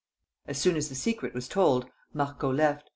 As soon as the secret was told, Marco left.